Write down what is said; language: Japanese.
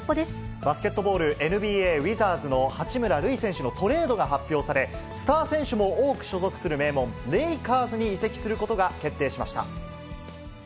バスケットボール・ＮＢＡ・ウィザーズの八村塁選手のトレードが発表され、スター選手も多く所属する名門、レイカーズに移籍することが決定しました。